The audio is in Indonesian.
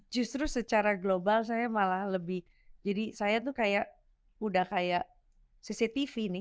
justru secara global saya malah lebih jadi saya tuh kayak udah kayak cctv nih